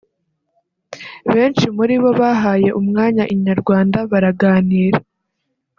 Benshi muri bo bahaye umwanya Inyarwanda baraganira